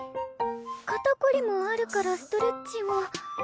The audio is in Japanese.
肩凝りもあるからストレッチを。